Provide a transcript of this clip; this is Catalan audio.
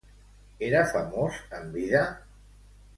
Era famós en vida?